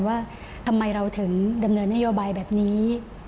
ว่าทำไมเราถึงดำเนินนโยบายแบบนี้